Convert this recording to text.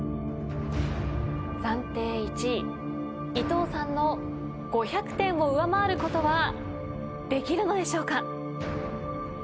暫定１位伊藤さんの５００点を上回ることはできるのでしょうか。